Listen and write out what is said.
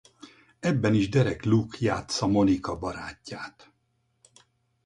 Ebben is Derek Luke játssza Monica barátját.